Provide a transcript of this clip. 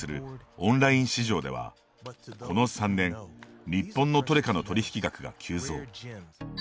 オンライン市場では、この３年日本のトレカの取引額が急増。